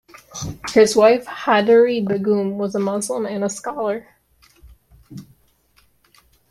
His wife Hyderi Begum was a Muslim and a scholar.